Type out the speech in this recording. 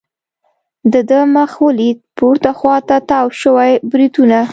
د ده مخ ولید، پورته خوا ته تاو شوي بریتونه.